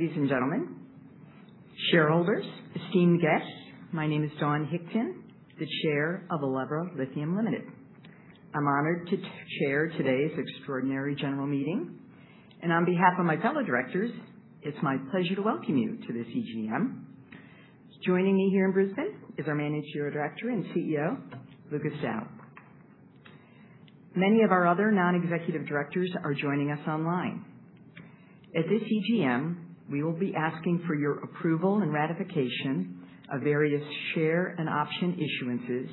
Morning, ladies and gentlemen, shareholders, esteemed guests. My name is Dawne Hickton, the Chair of Elevra Lithium Limited. I'm honored to Chair today's extraordinary general meeting. On behalf of my fellow directors, it's my pleasure to welcome you to this EGM. Joining me here in Brisbane is our Managing Director and Chief Executive Officer, Lucas Dow. Many of our other non-executive directors are joining us online. At this EGM, we will be asking for your approval and ratification of various share and option issuances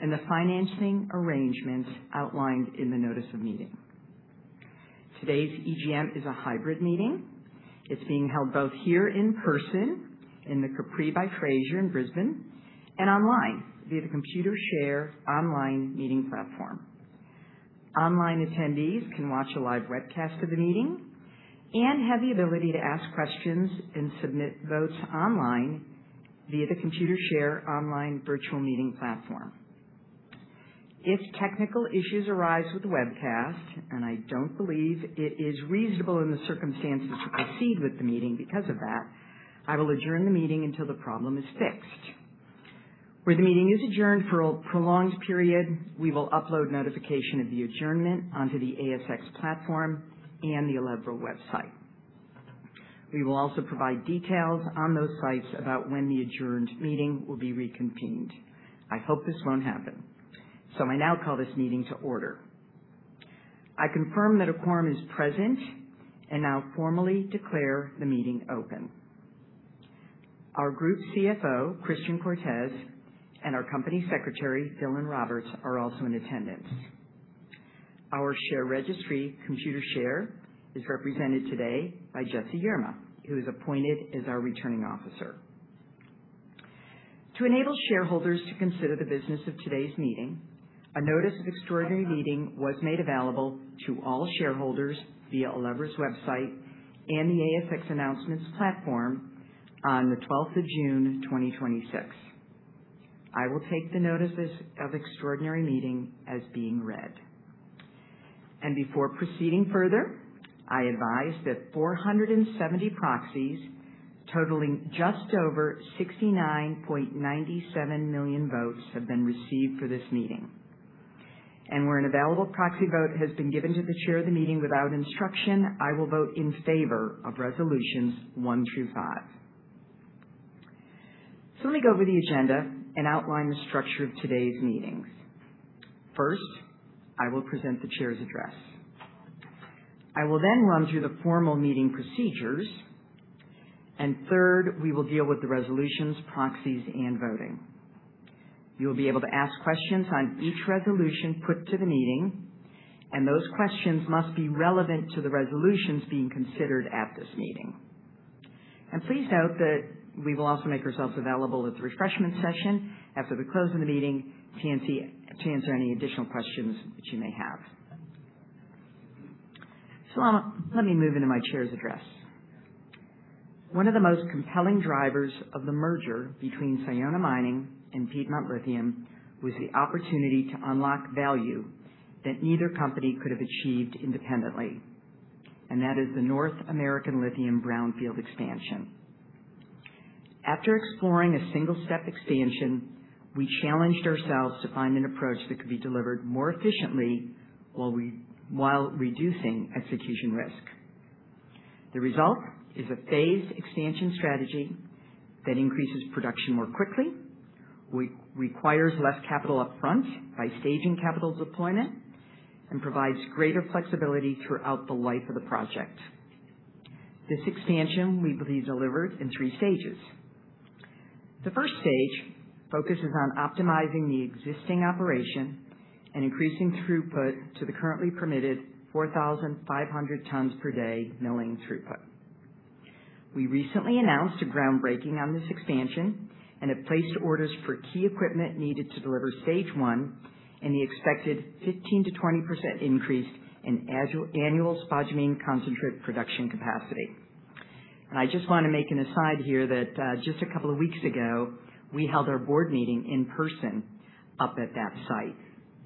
and the financing arrangements outlined in the notice of meeting. Today's EGM is a hybrid meeting. It's being held both here in person in the Capri by Fraser in Brisbane and online via the Computershare online meeting platform. Online attendees can watch a live webcast of the meeting and have the ability to ask questions and submit votes online via the Computershare online virtual meeting platform. If technical issues arise with the webcast, I don't believe it is reasonable in the circumstances to proceed with the meeting because of that, I will adjourn the meeting until the problem is fixed. Where the meeting is adjourned for a prolonged period, we will upload notification of the adjournment onto the ASX platform and the Elevra website. We will also provide details on those sites about when the adjourned meeting will be reconvened. I hope this won't happen. I now call this meeting to order. I confirm that a quorum is present and now formally declare the meeting open. Our Group Chief Financial Officer, Christian Cortes, and our Company Secretary, Dylan Roberts, are also in attendance. Our share registry, Computershare, is represented today by Jessie Yerma, who is appointed as our Returning Officer. To enable shareholders to consider the business of today's meeting, a notice of extraordinary meeting was made available to all shareholders via Elevra's website and the ASX announcements platform on the 12th of June 2026. I will take the notices of extraordinary meeting as being read. Before proceeding further, I advise that 470 proxies totaling just over 69.97 million votes have been received for this meeting. Where an available proxy vote has been given to the Chair of the meeting without instruction, I will vote in favor of resolutions one through five. Let me go over the agenda and outline the structure of today's meetings. First, I will present the Chair's address. I will then run through the formal meeting procedures. Third, we will deal with the resolutions, proxies, and voting. You'll be able to ask questions on each resolution put to the meeting, and those questions must be relevant to the resolutions being considered at this meeting. Please note that we will also make ourselves available at the refreshment session after the close of the meeting to answer any additional questions that you may have. Let me move into my Chair's address. One of the most compelling drivers of the merger between Sayona Mining and Piedmont Lithium was the opportunity to unlock value that neither company could have achieved independently, and that is the North American Lithium brownfield expansion. After exploring a single-step expansion, we challenged ourselves to find an approach that could be delivered more efficiently while reducing execution risk. The result is a phased expansion strategy that increases production more quickly, requires less capital upfront by staging capital deployment, and provides greater flexibility throughout the life of the project. This expansion will be delivered in 3 stages. The first stage focuses on optimizing the existing operation and increasing throughput to the currently permitted 4,500 tons per day milling throughput. We recently announced a groundbreaking on this expansion and have placed orders for key equipment needed to deliver Stage 1 and the expected 15%-20% increase in annual spodumene concentrate production capacity. I just want to make an aside here that just a couple of weeks ago, we held our board meeting in person up at that site.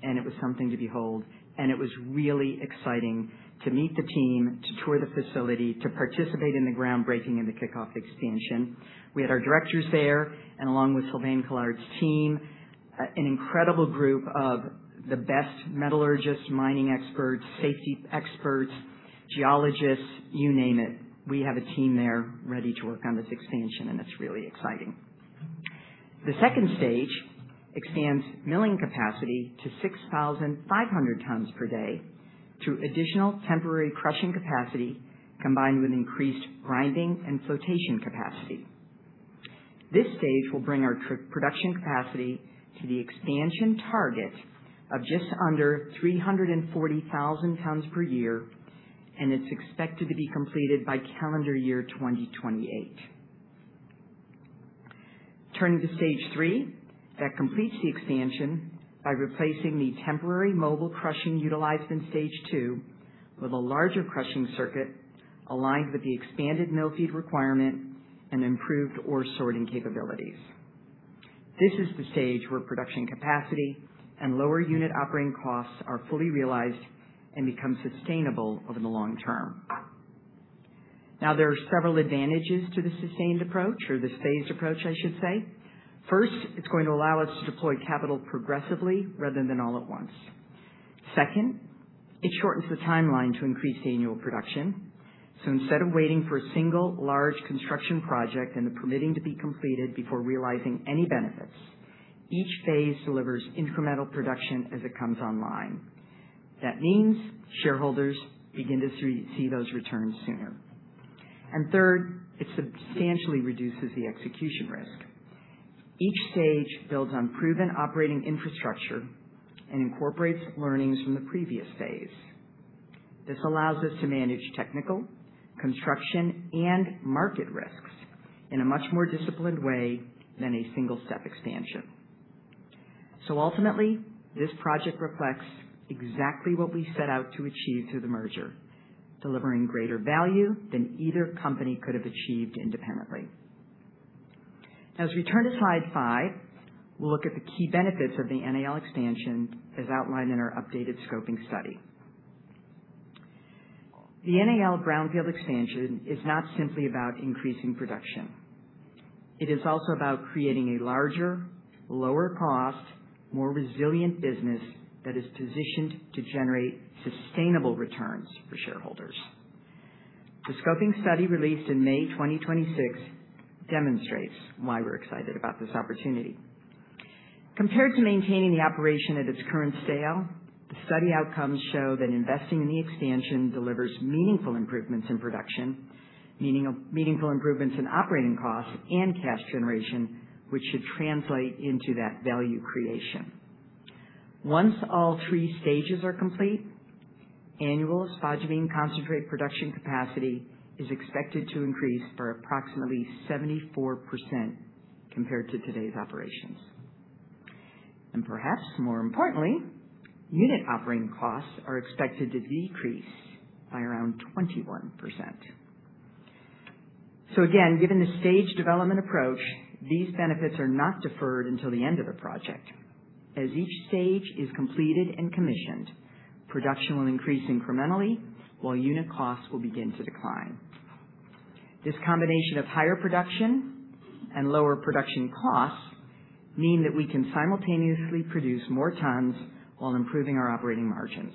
It was something to behold. It was really exciting to meet the team, to tour the facility, to participate in the groundbreaking and the kickoff expansion. We had our directors there along with Sylvain Collard's team, an incredible group of the best metallurgists, mining experts, safety experts, geologists, you name it. We have a team there ready to work on this expansion, and it's really exciting. The second stage expands milling capacity to 6,500 tons per day through additional temporary crushing capacity combined with increased grinding and flotation capacity. This stage will bring our production capacity to the expansion target of just under 340,000 tons per year, and it's expected to be completed by calendar year 2028. Turning to Stage 3, that completes the expansion by replacing the temporary mobile crushing utilized in Stage 2 with a larger crushing circuit aligned with the expanded mill feed requirement and improved ore sorting capabilities. This is the stage where production capacity and lower unit operating costs are fully realized and become sustainable over the long term. There are several advantages to the sustained approach or the phased approach, I should say. First, it's going to allow us to deploy capital progressively rather than all at once. Second, it shortens the timeline to increase annual production. Instead of waiting for a single large construction project and the permitting to be completed before realizing any benefits, each phase delivers incremental production as it comes online. That means shareholders begin to see those returns sooner. Third, it substantially reduces the execution risk. Each stage builds on proven operating infrastructure and incorporates learnings from the previous phase. This allows us to manage technical, construction, and market risks in a much more disciplined way than a single-step expansion. Ultimately, this project reflects exactly what we set out to achieve through the merger, delivering greater value than either company could have achieved independently. As we turn to slide five, we'll look at the key benefits of the NAL expansion as outlined in our updated scoping study. The NAL brownfield expansion is not simply about increasing production. It is also about creating a larger, lower cost, more resilient business that is positioned to generate sustainable returns for shareholders. The scoping study, released in May 2026, demonstrates why we're excited about this opportunity. Compared to maintaining the operation at its current scale, the study outcomes show that investing in the expansion delivers meaningful improvements in production, meaningful improvements in operating costs and cash generation, which should translate into that value creation. Once all 3 stages are complete, annual spodumene concentrate production capacity is expected to increase for approximately 74% compared to today's operations. Perhaps more importantly, unit operating costs are expected to decrease by around 21%. Again, given the staged development approach, these benefits are not deferred until the end of the project. As each stage is completed and commissioned, production will increase incrementally, while unit costs will begin to decline. This combination of higher production and lower production costs mean that we can simultaneously produce more tons while improving our operating margins.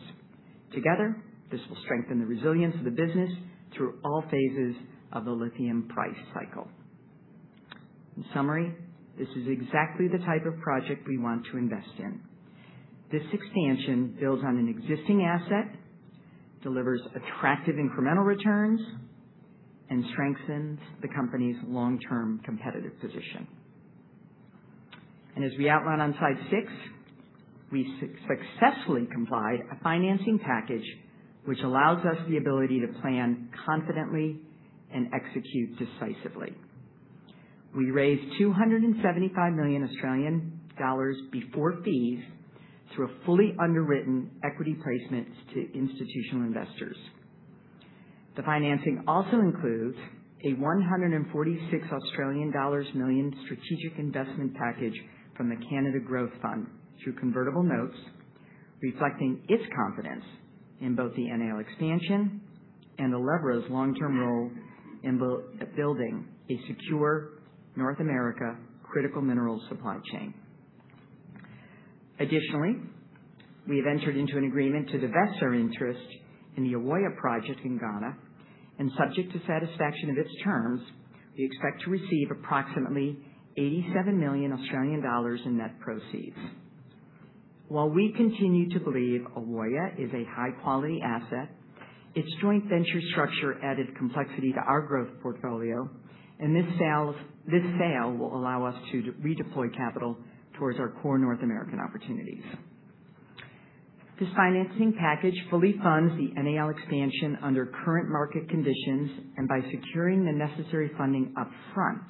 Together, this will strengthen the resilience of the business through all phases of the lithium price cycle. In summary, this is exactly the type of project we want to invest in. This expansion builds on an existing asset, delivers attractive incremental returns, and strengthens the company's long-term competitive position. As we outline on slide six, we successfully compiled a financing package which allows us the ability to plan confidently and execute decisively. We raised 275 million Australian dollars before fees through a fully underwritten equity placement to institutional investors. The financing also inclUdes a 146 million Australian dollars strategic investment package from the Canada Growth Fund through convertible notes, reflecting its confidence in both the NAL expansion and Elevra's long-term role in building a secure North America critical mineral supply chain. Additionally, we have entered into an agreement to divest our interest in the Ewoyaa project in Ghana, and subject to satisfaction of its terms, we expect to receive approximately 87 million Australian dollars in net proceeds. While we continue to believe Ewoyaa is a high-quality asset, its joint venture structure added complexity to our growth portfolio, and this sale will allow us to redeploy capital towards our core North American opportunities. This financing package fully funds the NAL expansion under current market conditions, and by securing the necessary funding up front,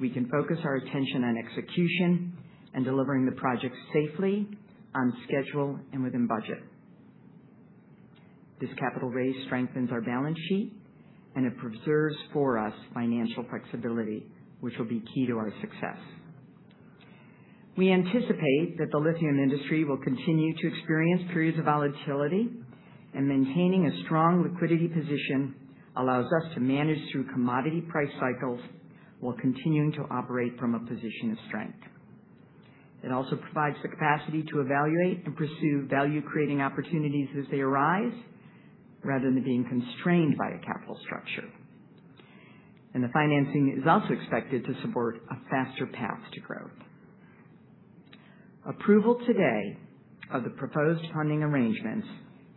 we can focus our attention on execution and delivering the project safely, on schedule, and within budget. This capital raise strengthens our balance sheet and it preserves for us financial flexibility, which will be key to our success. We anticipate that the lithium industry will continue to experience periods of volatility, and maintaining a strong liquidity position allows us to manage through commodity price cycles while continuing to operate from a position of strength. It also provides the capacity to evaluate and pursue value-creating opportunities as they arise, rather than being constrained by a capital structure. The financing is also expected to support a faster path to growth. Approval today of the proposed funding arrangements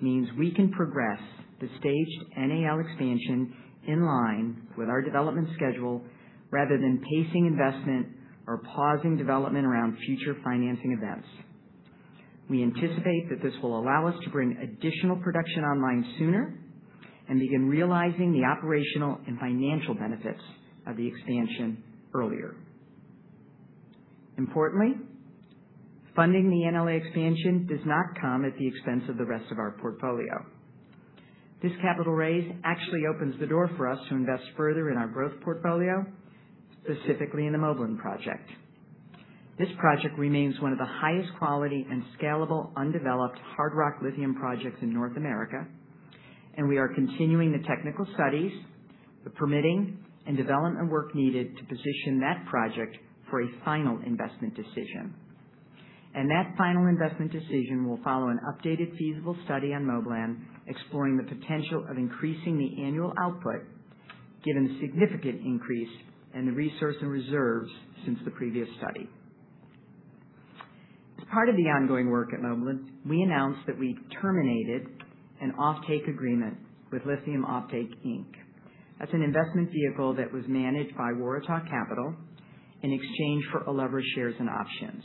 means we can progress the staged NAL expansion in line with our development schedule rather than pacing investment or pausing development around future financing events. We anticipate that this will allow us to bring additional production online sooner and begin realizing the operational and financial benefits of the expansion earlier. Importantly Funding the NAL expansion does not come at the expense of the rest of our portfolio. This capital raise actually opens the door for us to invest further in our growth portfolio, specifically in the Moblan project. This project remains one of the highest quality and scalable undeveloped hard rock lithium projects in North America. We are continuing the technical studies, the permitting, and development work needed to position that project for a final investment decision. That final investment decision will follow an updated feasible study on Moblan, exploring the potential of increasing the annual output given the significant increase in the resource and reserves since the previous study. As part of the ongoing work at Moblan, we announced that we terminated an offtake agreement with Lithium Offtake Inc. That's an investment vehicle that was managed by Waratah Capital in exchange for Elevra shares and options.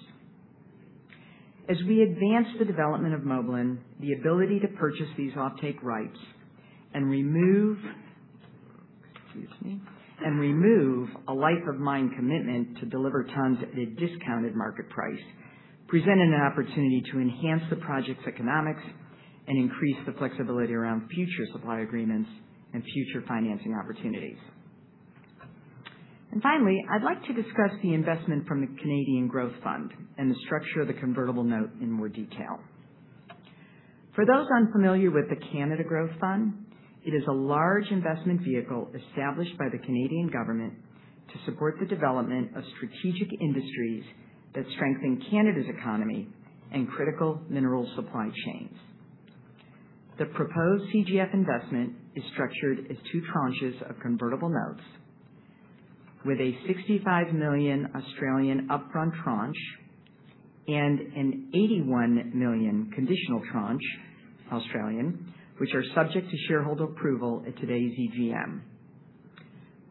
As we advance the development of Moblan, the ability to purchase these offtake rights and remove a life of mine commitment to deliver tons at a discounted market price, presented an opportunity to enhance the project's economics and increase the flexibility around future supply agreements and future financing opportunities. Finally, I'd like to discuss the investment from the Canada Growth Fund and the structure of the convertible note in more detail. For those unfamiliar with the Canada Growth Fund, it is a large investment vehicle established by the Canadian government to support the development of strategic industries that strengthen Canada's economy and critical mineral supply chains. The proposed CGF investment is structured as two tranches of convertible notes with an 65 million upfront tranche and an 81 million conditional tranche, which are subject to shareholder approval at today's EGM.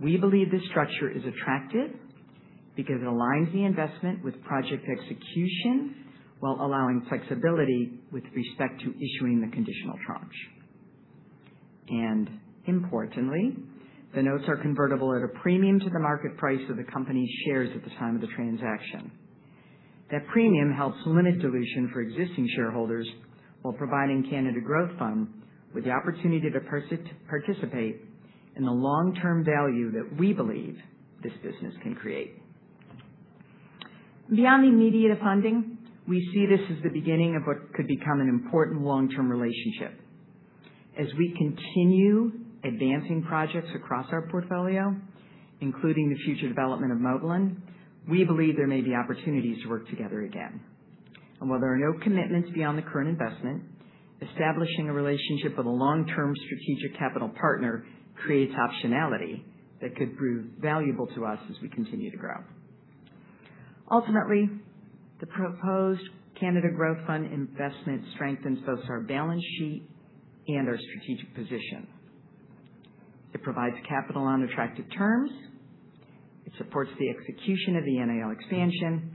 We believe this structure is attractive because it aligns the investment with project execution while allowing flexibility with respect to issuing the conditional tranche. Importantly, the notes are convertible at a premium to the market price of the company's shares at the time of the transaction. That premium helps limit dilution for existing shareholders while providing Canada Growth Fund with the opportunity to participate in the long-term value that we believe this business can create. Beyond the immediate funding, we see this as the beginning of what could become an important long-term relationship. As we continue advancing projects across our portfolio, including the future development of Moblan, we believe there may be opportunities to work together again. While there are no commitments beyond the current investment, establishing a relationship with a long-term strategic capital partner creates optionality that could prove valuable to us as we continue to grow. Ultimately, the proposed Canada Growth Fund investment strengthens both our balance sheet and our strategic position. It provides capital on attractive terms, it supports the execution of the NAL expansion,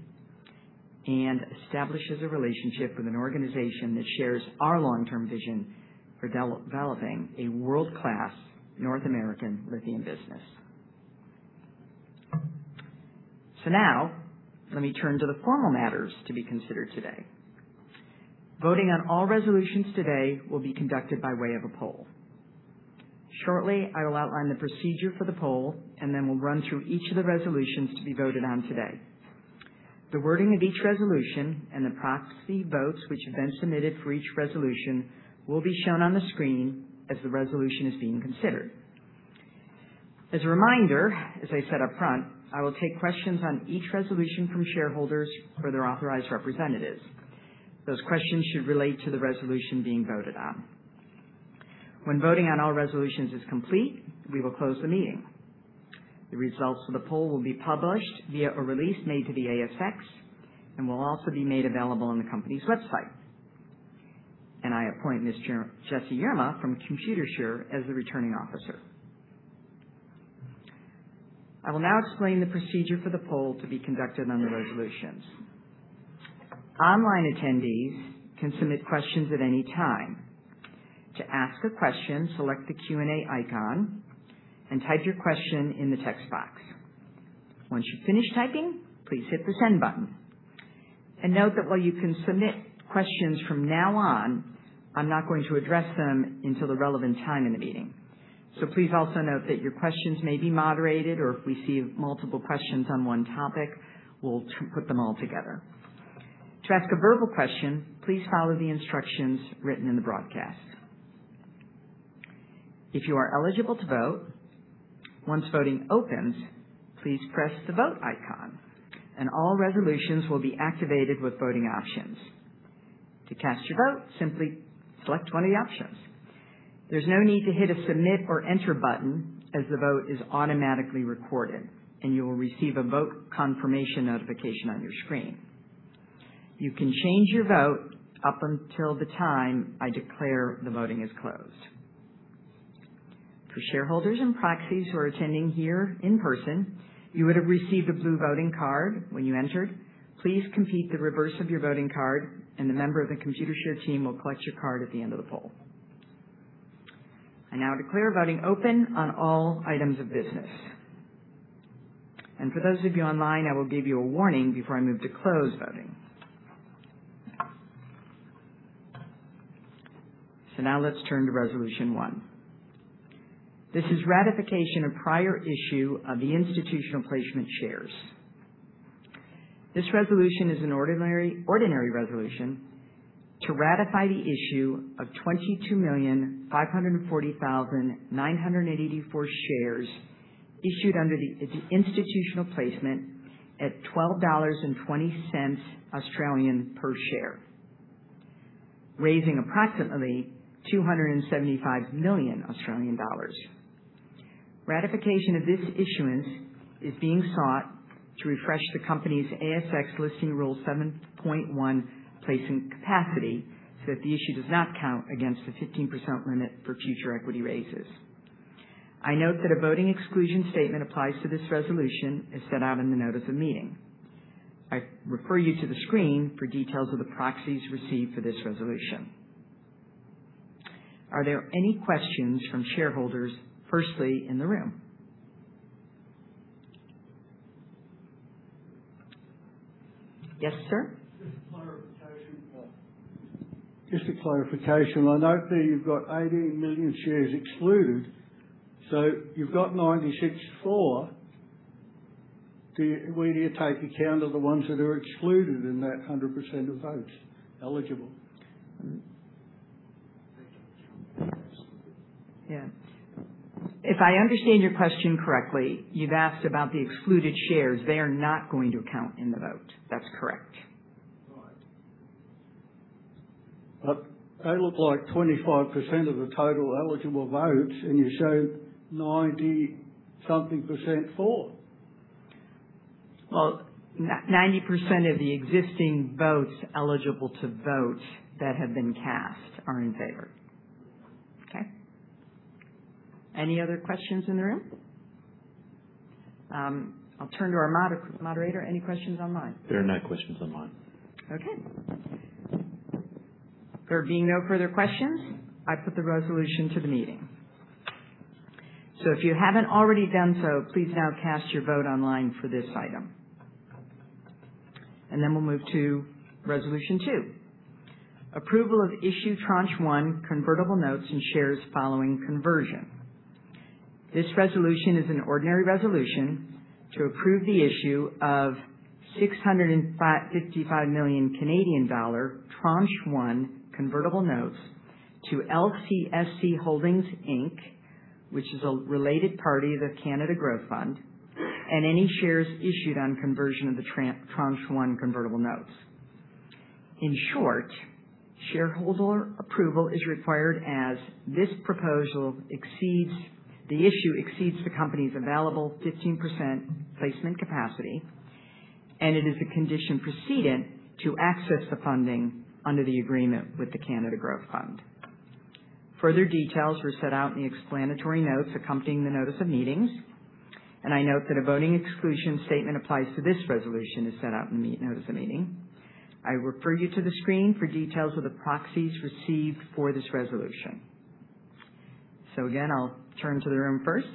and establishes a relationship with an organization that shares our long-term vision for developing a world-class North American lithium business. Now let me turn to the formal matters to be considered today. Voting on all resolutions today will be conducted by way of a poll. Shortly I will outline the procedure for the poll. Then we'll run through each of the resolutions to be voted on today. The wording of each resolution and the proxy votes which have been submitted for each resolution will be shown on the screen as the resolution is being considered. As a reminder, as I said upfront, I will take questions on each resolution from shareholders or their authorized representatives. Those questions should relate to the resolution being voted on. When voting on all resolutions is complete, we will close the meeting. The results of the poll will be published via a release made to the ASX and will also be made available on the company's website. I appoint Ms. Jessie Yerma from Computershare as the Returning Officer. I will now explain the procedure for the poll to be conducted on the resolutions. Online attendees can submit questions at any time. To ask a question, select the Q&A icon and type your question in the text box. Once you've finished typing, please hit the send button. Note that while you can submit questions from now on, I am not going to address them until the relevant time in the meeting. Please also note that your questions may be moderated, or if we see multiple questions on one topic, we will put them all together. To ask a verbal question, please follow the instructions written in the broadcast. If you are eligible to vote, once voting opens, please press the vote icon and all resolutions will be activated with voting options. To cast your vote, simply select one of the options. There is no need to hit a submit or enter button as the vote is automatically recorded and you will receive a vote confirmation notification on your screen. You can change your vote up until the time I declare the voting is closed. For shareholders and proxies who are attending here in person, you would have received a blue voting card when you entered. Please complete the reverse of your voting card and a member of the Computershare team will collect your card at the end of the poll. I now declare voting open on all items of business. For those of you online, I will give you a warning before I move to close voting. Now let's turn to resolution one. This is ratification of prior issue of the institutional placement shares. This resolution is an ordinary resolution to ratify the issue of 22,540,984 shares issued under the institutional placement at 12.20 Australian dollars per share, raising approximately 275 million Australian dollars. Ratification of this issuance is being sought to refresh the company's ASX Listing Rule 7.1 placement capacity so that the issue does not count against the 15% limit for future equity raises. I note that a voting exclusion statement applies to this resolution, as set out in the notice of meeting. I refer you to the screen for details of the proxies received for this resolution. Are there any questions from shareholders, firstly, in the room? Yes, sir. Just a clarification. I note there you've got 18 million shares excluded, you've got 96 for. Where do you take account of the ones that are excluded in that 100% of votes eligible? Yeah. If I understand your question correctly, you've asked about the excluded shares. They are not going to count in the vote. That's correct. Right. They look like 25% of the total eligible votes, and you show 90-something percent for. Well, 90% of the existing votes eligible to vote that have been cast are in favor. Okay. Any other questions in the room? I'll turn to our moderator. Any questions online? There are no questions online. There being no further questions, I put the resolution to the meeting. If you haven't already done so, please now cast your vote online for this item. We'll move to Resolution 2, approval of issue tranche one convertible notes and shares following conversion. This resolution is an ordinary resolution to approve the issue of 65 million Canadian dollar Tranche 1 convertible notes to LCSC Holdings, Inc., which is a related party of the Canada Growth Fund, and any shares issued on conversion of the Tranche 1 convertible notes. In short, shareholder approval is required as this proposal exceeds the company's available 15% placement capacity, and it is a condition precedent to access the funding under the agreement with the Canada Growth Fund. Further details are set out in the explanatory notes accompanying the notice of meetings. I note that a voting exclusion statement applies to this resolution, as set out in the notice of meeting. I refer you to the screen for details of the proxies received for this resolution. Again, I'll turn to the room first.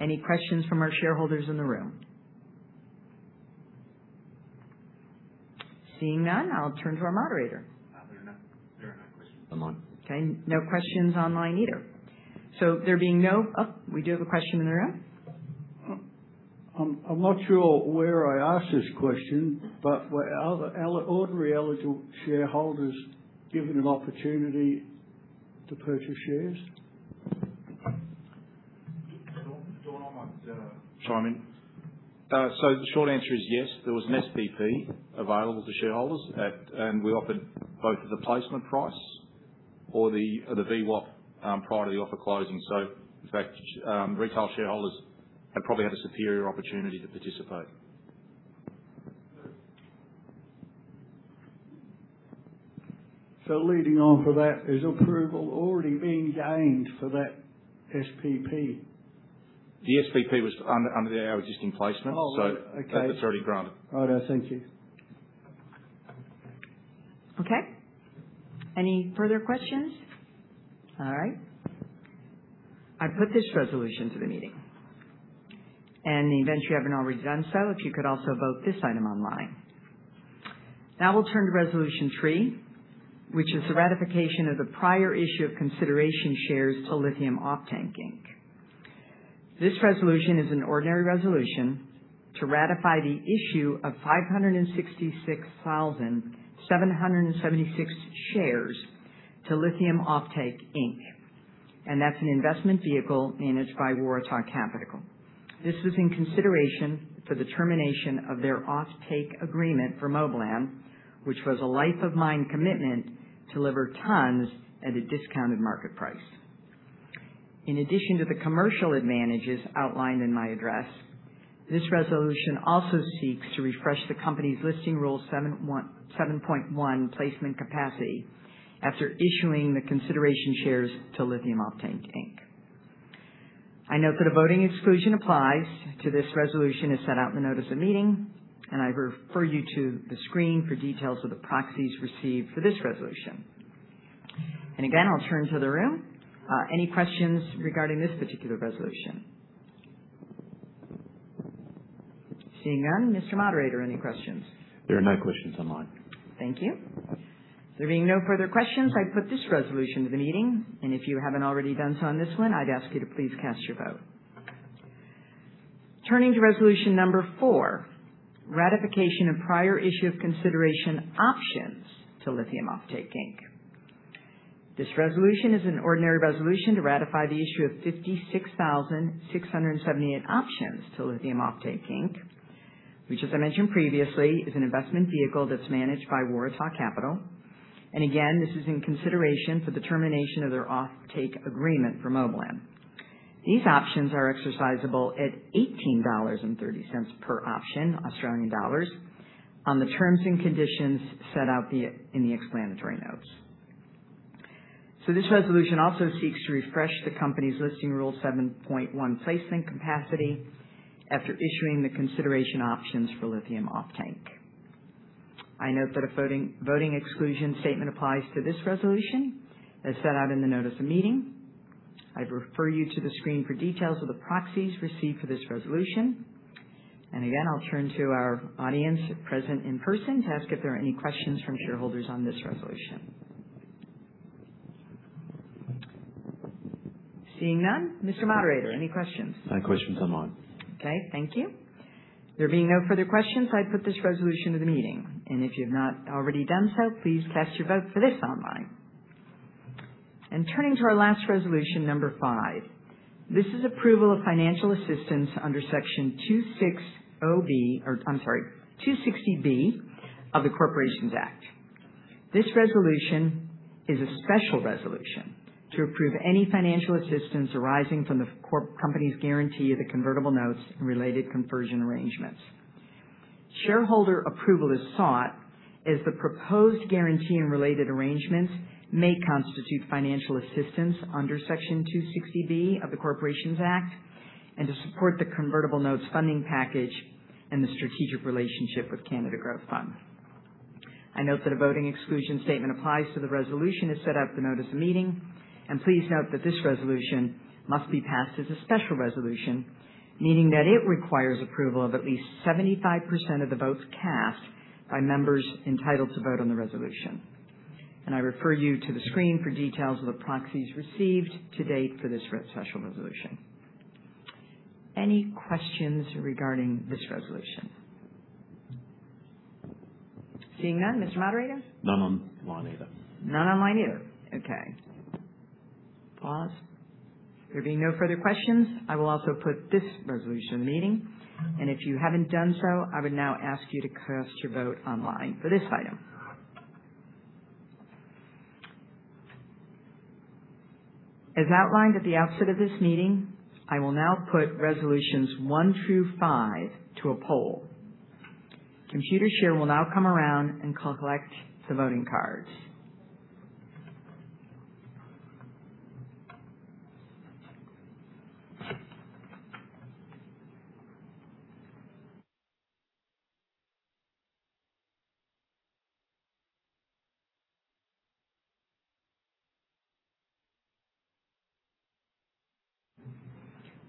Any questions from our shareholders in the room? Seeing none, I'll turn to our moderator. There are no questions online. Okay, no questions online either. We do have a question in the room. I'm not sure where I asked this question, were ordinary eligible shareholders given an opportunity to purchase shares? John, I might chime in. The short answer is yes, there was an SPP available to shareholders, and we offered both the placement price or the VWAP prior to the offer closing. In fact, retail shareholders have probably had a superior opportunity to participate. Leading on from that, has approval already been gained for that SPP? The SPP was under our existing placement. Oh, okay. That's already granted. Right. Thank you. Okay. Any further questions? All right. I put this resolution to the meeting. In the event you haven't already done so, if you could also vote this item online. We'll turn to Resolution 3, which is the ratification of the prior issue of consideration shares to Lithium Offtake Inc. This resolution is an ordinary resolution to ratify the issue of 566,776 shares to Lithium Offtake Inc. That's an investment vehicle managed by Waratah Capital. This was in consideration for the termination of their offtake agreement for Moblan, which was a life of mine commitment to deliver tons at a discounted market price. In addition to the commercial advantages outlined in my address, this resolution also seeks to refresh the company's Listing Rule 7.1 placement capacity after issuing the consideration shares to Lithium Offtake Inc. I note that a voting exclusion applies to this resolution as set out in the notice of meeting, I refer you to the screen for details of the proxies received for this resolution. Again, I'll turn to the room. Any questions regarding this particular resolution? Seeing none. Mr. Moderator, any questions? There are no questions online. Thank you. There being no further questions, I put this resolution to the meeting, if you haven't already done so on this one, I'd ask you to please cast your vote. Turning to Resolution #4, ratification of prior issue of consideration options to Lithium Offtake Inc. This resolution is an ordinary resolution to ratify the issue of 56,678 options to Lithium Offtake Inc., which, as I mentioned previously, is an investment vehicle that's managed by Waratah Capital. Again, this is in consideration for the termination of their offtake agreement for Moblan. These options are exercisable at 18.30 dollars per option, Australian dollars, on the terms and conditions set out in the explanatory notes. This resolution also seeks to refresh the company's Listing Rule 7.1 placement capacity after issuing the consideration options for Lithium Offtake. I note that a voting exclusion statement applies to this resolution as set out in the notice of meeting. I refer you to the screen for details of the proxies received for this resolution. Again, I'll turn to our audience present in person to ask if there are any questions from shareholders on this resolution. Seeing none. Mr. Moderator, any questions? No questions online. Okay, thank you. There being no further questions, I put this resolution to the meeting. If you've not already done so, please cast your vote for this online. Turning to our last Resolution #5. This is approval of financial assistance under Section 260B of the Corporations Act. This resolution is a special resolution to approve any financial assistance arising from the company's guarantee of the convertible notes and related conversion arrangements. Shareholder approval is sought as the proposed guarantee and related arrangements may constitute financial assistance under Section 260B of the Corporations Act and to support the convertible notes funding package and the strategic relationship with Canada Growth Fund. I note that a voting exclusion statement applies to the resolution as set out in the notice of meeting. Please note that this resolution must be passed as a special resolution, meaning that it requires approval of at least 75% of the votes cast by members entitled to vote on the resolution. I refer you to the screen for details of the proxies received to date for this special resolution. Any questions regarding this resolution? Seeing none. Mr. Moderator? None online either. None online either. Okay. Pause. There being no further questions, I will also put this resolution to the meeting. If you haven't done so, I would now ask you to cast your vote online for this item. As outlined at the outset of this meeting, I will now put Resolutions 1 through 5 to a poll. Computershare will now come around and collect the voting cards.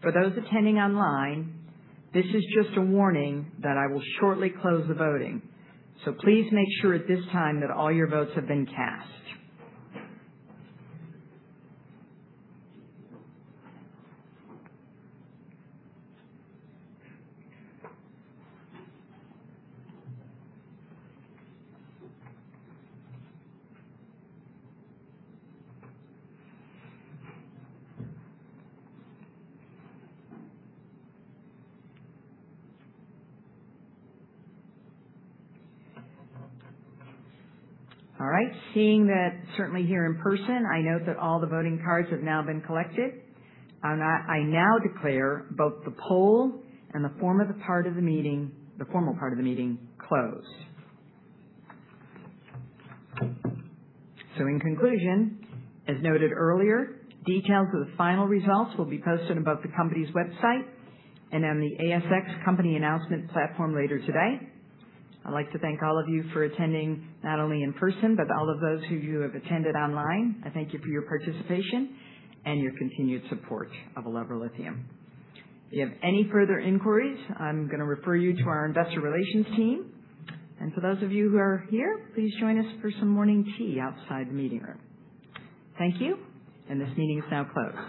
For those attending online, this is just a warning that I will shortly close the voting. Please make sure at this time that all your votes have been cast. All right. Seeing that certainly here in person, I note that all the voting cards have now been collected. I now declare both the poll and the formal part of the meeting closed. In conclusion, as noted earlier, details of the final results will be posted on both the company's website and on the ASX company announcement platform later today. I'd like to thank all of you for attending, not only in person, but all of those who have attended online. I thank you for your participation and your continued support of Elevra Lithium. If you have any further inquiries, I'm going to refer you to our investor relations team. For those of you who are here, please join us for some morning tea outside the meeting room. Thank you. This meeting is now closed.